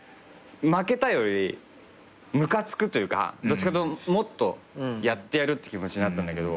負けたよりムカつくというかどっちかというともっとやってやるって気持ちになったんだけど。